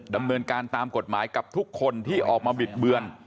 ดำเนินการตามกฎหมายกับทุกคนที่ออกมาบิดเบือน